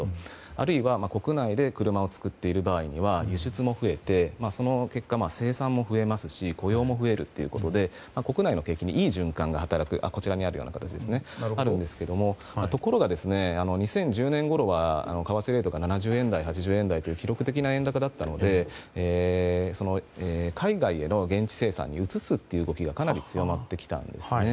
あるいは国内で車を作っている場合は輸出も増えて生産も増えますし雇用も増えるということで国内の景気にいい循環が働くんですがところが２０１０年ごろは為替レートが７０円台、８０円台という記録的な円高だったので海外への現地生産に移す動きが強まってきたんです。